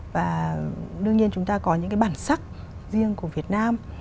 và đương nhiên chúng ta có những cái bản sắc riêng của việt nam